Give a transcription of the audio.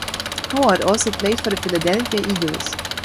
Howard also played for the Philadelphia Eagles.